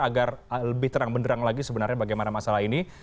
agar lebih terang benderang lagi sebenarnya bagaimana masalah ini